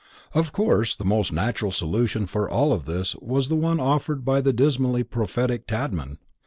Of course the most natural solution for all this was the one offered by the dismally prophetic Tadman.